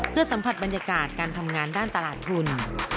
เพื่อสัมผัสบรรยากาศการทำงานด้านตลาดทุน